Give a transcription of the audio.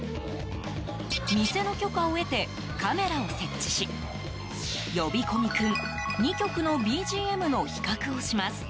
店の許可を得てカメラを設置し呼び込み君、２曲のＢＧＭの比較をします。